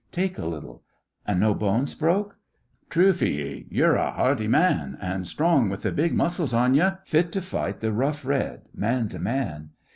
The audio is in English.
Take a little. And no bones broke! True for ye, ye're a hearty man, and strong with th' big muscles on ye fit to fight th' Rough Red man to man.